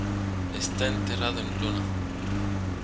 Está enterrado en Iona.